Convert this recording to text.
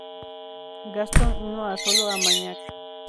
Gastón I asoló Armañac.